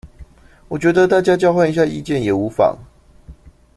我覺得大家交換一下意見也無妨